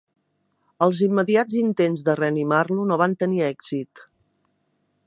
Els immediats intents de reanimar-lo no van tenir èxit.